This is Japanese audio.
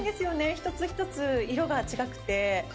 一つ一つ、色が違って。